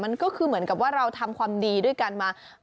มันก็คือเหมือนกับว่าเราทำความดีด้วยกันมา